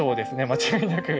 間違いなく。